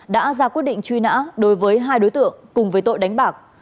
đã ra quyết định truy nã đối với hai đối tượng cùng với tội đánh bạc